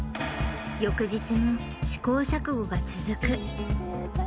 翌日も試行錯誤が続く